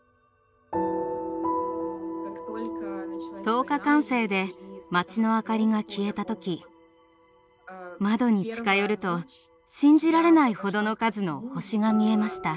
灯火管制で町の明かりが消えた時窓に近寄ると信じられないほどの数の星が見えました。